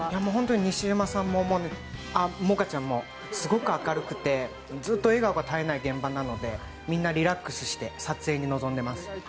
西島さんも萌歌ちゃんもすごく明るくてずっと笑顔が絶えない現場なのでみんなリラックスして撮影に臨んでます。